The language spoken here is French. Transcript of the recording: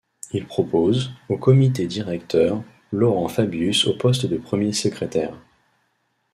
Il propose, au comité directeur, Laurent Fabius au poste de premier secrétaire.